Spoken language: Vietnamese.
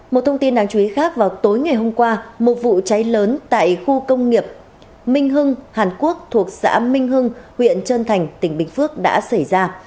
một thông tin đáng chú ý khác vào tối ngày hôm qua một vụ cháy lớn tại khu công nghiệp minh hưng hàn quốc thuộc xã minh hưng huyện trân thành tỉnh bình phước đã xảy ra